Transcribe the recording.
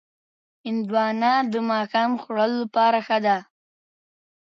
هندوانه د ماښام خوړلو لپاره ښه ده.